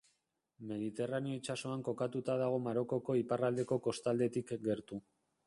Mediterraneo itsasoan kokatuta dago Marokoko iparraldeko kostaldetik gertu.